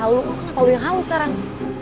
lo kenapa lo yang halus sekarang